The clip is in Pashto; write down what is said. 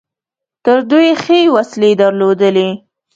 تر دوی ښې وسلې درلودلې.